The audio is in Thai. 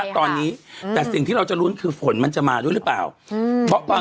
แต่สิ่งที่เราจะลุ้นคือฝนมันจะมาด้วยหรือเปล่า